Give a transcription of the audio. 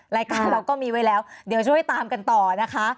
รายการเราก็มีไว้แล้วเดี๋ยวช่วยตามกันต่อนะคะ